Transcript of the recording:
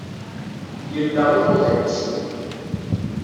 Yelleɣ iḍuḍan-is.